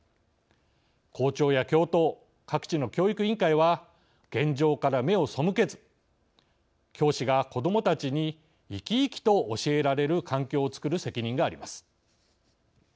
校長や教頭各地の教育委員会は現状から目を背けず教師が子どもたちに生き生きと教えられる環境を作る責任があります。